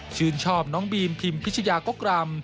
ชื่นชอบน้องบีมพิมพิชยากกรำ